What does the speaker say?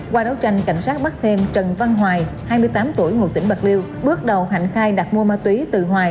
qua đấu tranh cảnh sát bắt thêm trần văn hoài hai mươi tám tuổi ngụ tỉnh bạc liêu bước đầu hạnh khai đặt mua ma túy từ hoài